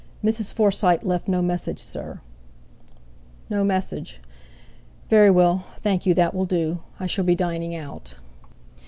"Mrs. Forsyte left no message, sir." "No message; very well, thank you, that will do. I shall be dining out."